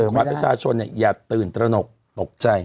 การเป็นชาชนเนี่ยอย่าตื่นนตระหนกปกใจ